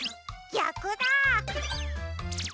ぎゃくだ。